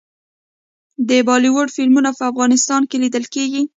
د بالیووډ فلمونه په افغانستان کې لیدل کیږي.